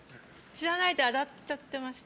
知らないで洗っちゃってました。